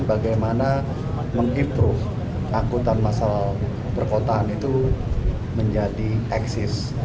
bagaimana mengiproh angkutan masalah perkotaan itu menjadi eksis